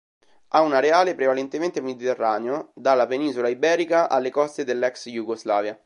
Ha un areale prevalentemente mediterraneo, dalla penisola iberica alle coste dell'ex Jugoslavia.